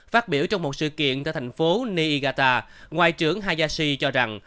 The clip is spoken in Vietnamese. phát biểu trong một sự kiện tại thành phố niigata ngoại trưởng hayashi cho rằng